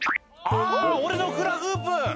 「あぁ俺のフラフープ！」